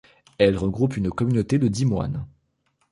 Elle regroupe une communauté de dix moines.